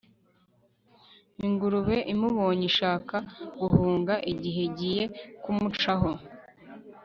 ingurube imubonye ishaka guhunga, igihe igiye kumucaho